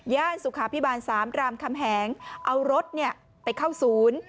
สุขาพิบาล๓รามคำแหงเอารถไปเข้าศูนย์